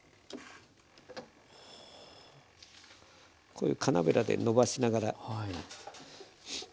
こういう金ベラでのばしながら。